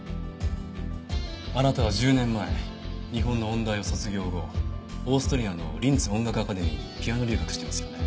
あなたは１０年前日本の音大を卒業後オーストリアのリンツ音楽アカデミーにピアノ留学してますよね。